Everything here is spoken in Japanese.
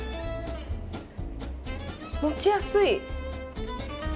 持ちやすい。